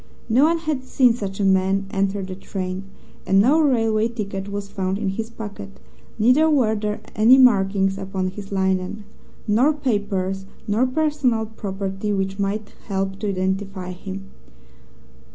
No one had seen such a man enter the train, and no railway ticket was found in his pocket, neither were there any markings upon his linen, nor papers nor personal property which might help to identify him.